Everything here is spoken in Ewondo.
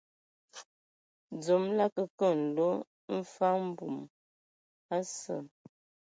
Dzom lə akǝkǝ nlo mfag mbum a sə.